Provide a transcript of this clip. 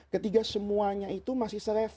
ketika semuanya itu masih se level